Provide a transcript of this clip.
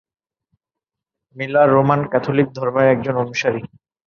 Miller Roman Catholic ধর্মের একজন অনুসারী।